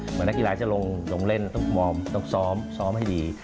เหมือนนักอีหลาจะลงเล่นต้องมอบต้องซ้อมซ้อมให้ดี